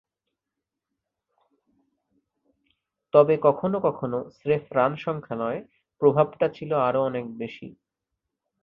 তবে কখনো কখনো স্রেফ রানসংখ্যা নয়, প্রভাবটা ছিল আরও অনেক বেশি।